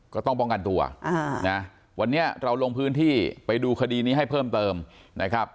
ก็ต้องป้องกันตัวนะวันนี้เราลงพื้นที่ไปดูคดีนี้ให้เพิ่มเติมนะครับ